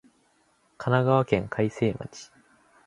神奈川県開成町